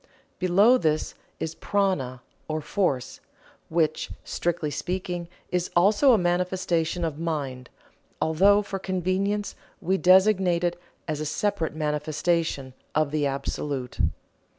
Below this is Prana or Force, which, strictly speaking, is also a manifestation of mind, although for convenience we designate it as a separate manifestation of the Absolute.